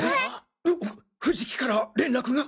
藤木から連絡が？